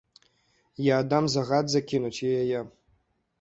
Я аддам загад закінуць яе!